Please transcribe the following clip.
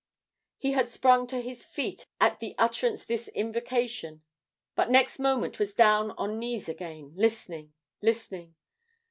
He had sprung to his feet at the utterance this invocation, but next moment was down on knees again, listening listening.